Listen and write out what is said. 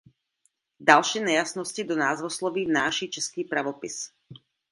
Další nejasnosti do názvosloví vnáší český pravopis.